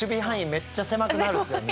めっちゃ狭くなるんすよね。